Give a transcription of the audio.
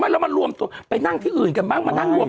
มันแล้วมันรวมตัวไปนั่งที่อื่นกันบ้าง